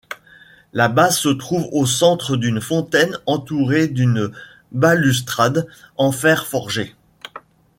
La base se trouve au centre d'une fontaine entourée d'une balustrade en fer forgé.